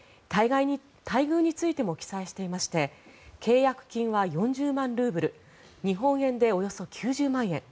待遇についても記載していまして契約金は４０万ルーブル日本円でおよそ９０万円。